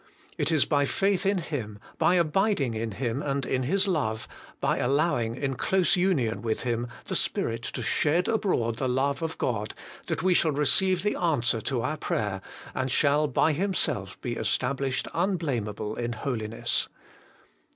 It is by faith in Him, by abiding in Him and in His love, by allowing, in close union with Him, the Spirit to shed abroad the love of God, that we shall receive the answer to our prayer, and shall by Himself be established unblameable in holiness.